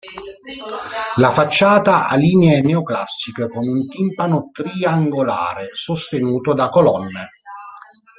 La facciata ha linee neoclassiche, con un timpano triangolare sostenuto da colonne.